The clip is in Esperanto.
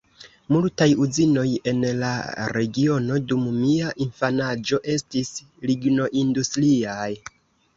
Multaj uzinoj en la regiono dum mia infanaĝo estis lignoindustriaj.